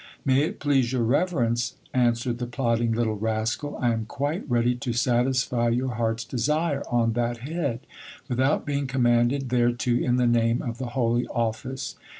May it please your reverence, answered the plodding little rascal, I am quite ready to satisfy your heart's desire on that head, without being commanded thereto in the name of the holy office.